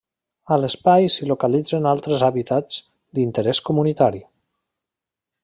A l’espai s’hi localitzen altres hàbitats d’interès comunitari.